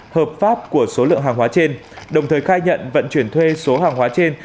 hợp pháp của số lượng hàng hóa trên đồng thời khai nhận vận chuyển thuê số hàng hóa trên